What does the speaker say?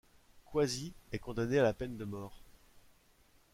Qazi est condamné à la peine de mort.